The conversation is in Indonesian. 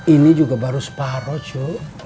ini juga baru separuh cu